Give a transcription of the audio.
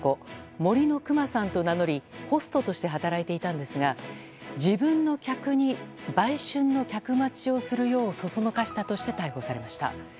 森のくまさんと名乗りホストとして働いていたんですが自分の客に売春の客待ちをするようそそのかしたとして逮捕されました。